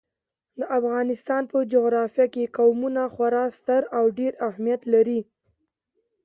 د افغانستان په جغرافیه کې قومونه خورا ستر او ډېر اهمیت لري.